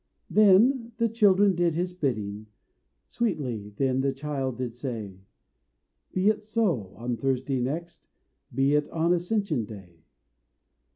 '" Then the children did his bidding; Sweetly then the Child did say, "Be it so, on Thursday next; Be it on Ascension Day!"